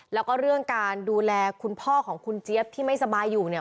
แล้วก็เรื่องการดูแลคุณพ่อของคุณเจี๊ยบที่ไม่สบายอยู่เนี่ย